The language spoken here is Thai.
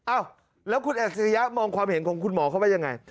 อ้าวแล้วคุณอัจฉริยะมองความเห็นของคุณหมอเขาว่ายังไง